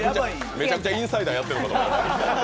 めちゃくちゃインサイダーやってるのかと思った。